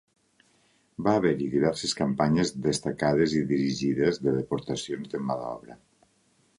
Va haver-hi diverses campanyes destacades i dirigides de deportacions de mà d'obra.